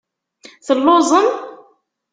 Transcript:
Telluẓem?